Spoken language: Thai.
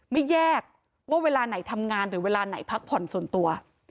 ไม่แยกว่าเวลาไหนทำงานหรือเวลาไหนพักผ่อนส่วนตัว